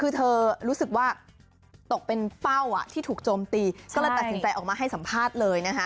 คือเธอรู้สึกว่าตกเป็นเป้าที่ถูกโจมตีก็เลยตัดสินใจออกมาให้สัมภาษณ์เลยนะคะ